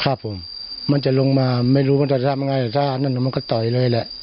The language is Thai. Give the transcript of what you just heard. ครับผมมันจะลงมาไม่รู้มันจะทำง่ายมันก็ต่อยเลยแหละ